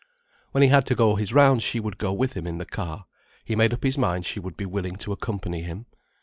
When he had to go his rounds she would go with him in the car: he made up his mind she would be willing to accompany him.